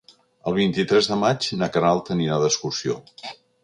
El vint-i-tres de maig na Queralt anirà d'excursió.